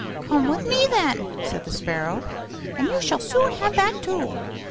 'Come with me then,' said the sparrow, 'and you shall soon have that too.